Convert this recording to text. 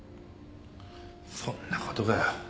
そんなことかよ。